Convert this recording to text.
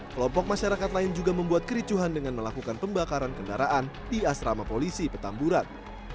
kelompok masyarakat lain juga membuat kericuhan dengan melakukan pembakaran kendaraan di asrama polisi petamburan